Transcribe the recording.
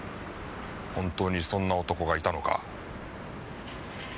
本当にそんな男がいたのか？